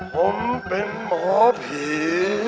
ผมเป็นหมอผี